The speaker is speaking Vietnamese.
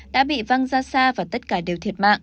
đã bị văng ra xa và tất cả đều thiệt mạng